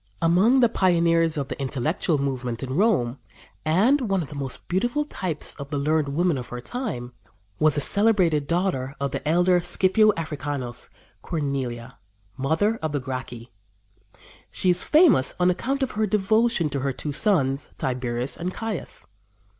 Among the pioneers of the intellectual movement in Rome, and one of the most beautiful types of the learned women of her time, was the celebrated daughter of the elder Scipio Africanus Cornelia, mother of the Gracchi. She is famous on account of her devotion to her two sons, Tiberius and Caius.